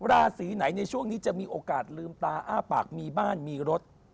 ราศีไหนในช่วงนี้จะมีโอกาสลืมตาอ้าปากมีบ้านมีรถ